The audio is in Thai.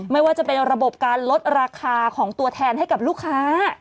ไม่ว่าจะเป็นระบบการลดราคาของตัวแทนให้กับลูกค้า